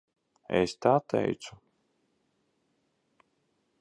Es tā teicu?